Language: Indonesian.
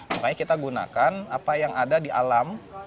makanya kita gunakan apa yang ada di alam